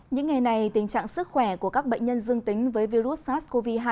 những ngày này tình trạng sức khỏe của các bệnh nhân dương tính với virus sars cov hai